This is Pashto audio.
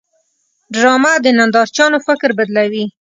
ډرامه د نندارچیانو فکر بدلوي